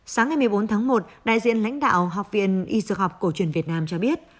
sáng ngày một mươi bốn tháng một đại diện lãnh đạo học viện y dược học cổ truyền việt nam cho biết